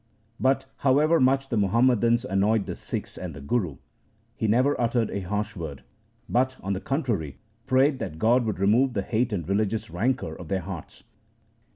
But, however much the Muham madans annoyed the Sikhs and the Guru, he never uttered a harsh word, but, on the contrary, prayed that God would remove the hate and religious rancour of their hearts.